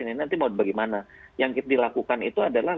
ini nanti mau bagaimana yang dilakukan itu adalah